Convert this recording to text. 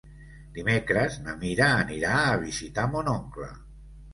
Dimecres na Mira anirà a visitar mon oncle.